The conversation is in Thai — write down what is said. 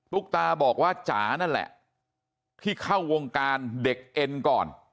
ุ๊กตาบอกว่าจ๋านั่นแหละที่เข้าวงการเด็กเอ็นก่อน